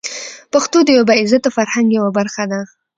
پښتو د یوه با عزته فرهنګ یوه برخه ده.